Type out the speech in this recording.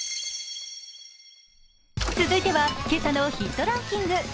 続いては今朝のヒットランキング。